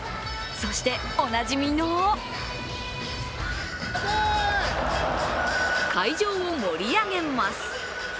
そして、おなじみの会場を盛り上げます。